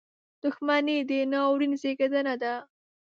• دښمني د ناورین زیږنده ده.